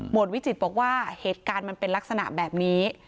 วิจิตรบอกว่าเหตุการณ์มันเป็นลักษณะแบบนี้